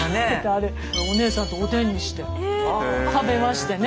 あれお姉さんとおでんにして食べましてね。